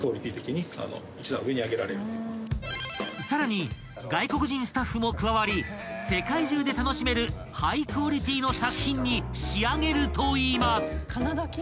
［さらに外国人スタッフも加わり世界中で楽しめるハイクオリティーの作品に仕上げるといいます］